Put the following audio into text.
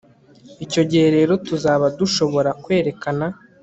Icyo gihe rero tuzaba dushobora kwerekana